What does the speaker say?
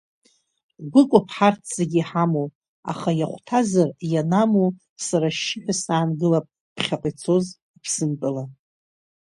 Гәыкоуп ҳарҭ зегь иҳамоу, аха, иахәҭазар, ианаму, сара ашьшьыҳәа саангылап, ԥхьаҟа ицоз Аԥсынтәыла!